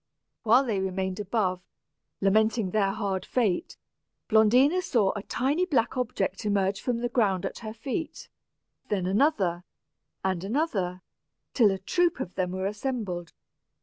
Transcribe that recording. While they remained above, lamenting their hard fate, Blondina saw a tiny black object emerge from the ground at her feet, then another and another, till a troop of them were assembled.